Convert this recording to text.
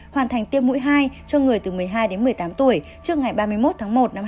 hoàn thành tiêm mũi hai cho người từ một mươi hai đến một mươi tám tuổi trước ngày ba mươi một tháng một năm hai nghìn hai mươi